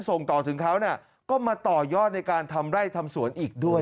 ส่งต่อถึงเขาก็มาต่อยอดในการทำไร่ทำสวนอีกด้วย